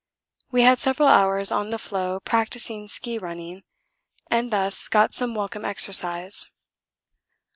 We had several hours on the floe practising ski running, and thus got some welcome exercise.